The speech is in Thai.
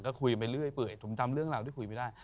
ก็คุยไปเรื่อยเปื่อยผมจำเรื่องราวที่คุยไม่ได้